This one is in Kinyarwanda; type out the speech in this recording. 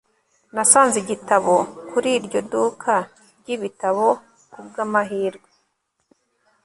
Nasanze igitabo kuri iryo duka ryibitabo kubwamahirwe